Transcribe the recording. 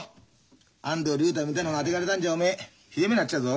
安藤竜太みたいなのがあてがわれたんじゃおめえひでえ目に遭っちゃうぞ。